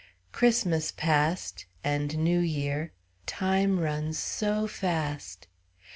Christmas passed, and New Year time runs so fast!